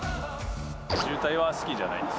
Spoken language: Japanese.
渋滞は好きじゃないです。